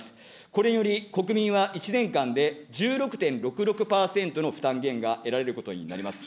これにより、国民は１年間で１６．６６％の負担減が得られることになります。